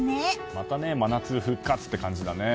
また真夏復活って感じだね。